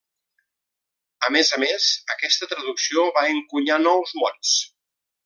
A més a més, aquesta traducció va encunyar nous mots.